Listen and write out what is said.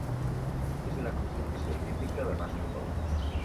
És una construcció típica de mas català.